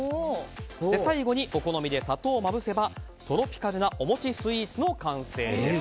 最後にお好みで砂糖をまぶせばトロピカルなお餅スイーツの完成です。